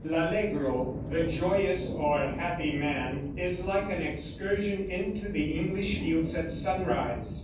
"L'Allegro" (the joyous or happy man) is like an excursion into the English fields at sunrise.